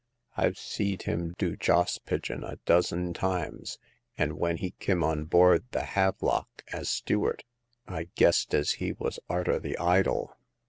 I've seed him do joss pigeon a dozen times ; and when he kim on board the Havelock as Stewart I guessed as he wos arter the idol.